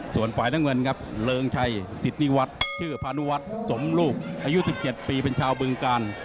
ส่วนฝ่ายน้ำเงินครับเริงชัยสิทธิวัฒน์ชื่อพานุวัฒน์สมรูปอายุ๑๗ปีเป็นชาวบึงกาล